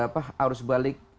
pak arus balik